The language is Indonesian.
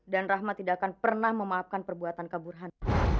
dan rahmat tidak akan pernah memaafkan perbuatan keburhan